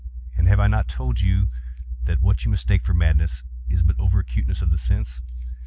And have I not told you that what you mistake for madness is but over acuteness of the sense?